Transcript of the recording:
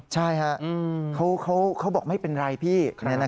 ใช่ฮะเขาบอกไม่เป็นไรพี่